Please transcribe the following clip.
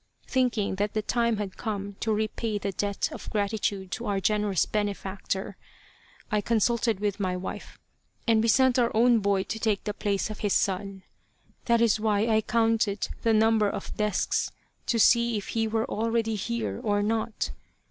Thinking that the time had come to repay the debt of gratitude to our generous benefactor, I consulted with my wife, and we sent our own boy to take the place of his son. That is why I counted the number of desks, to see if he were already here or not.